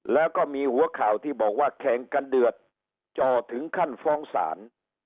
แล้วก็มีหัวข่าวที่บอกว่าแข่งกันเดือดจ่อถึงขั้นฟ้องศาล